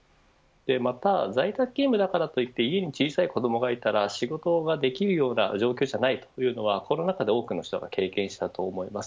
また、在宅勤務だからといって家に小さい子どもがいたら仕事ができるような状況じゃないというのはコロナ禍で多くの人が経験したと思います。